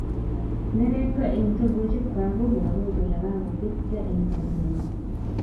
Nerekwe eng togochik kwak kovoru kole kakobetyo eng sobee ngwang